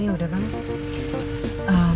ini udah banget